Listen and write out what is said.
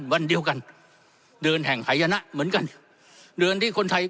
วันเดียวกันเดินแห่งหายนะเหมือนกันเดินที่คนไทย